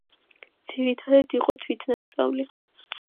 ძირითადად იყო თვითნასწავლი.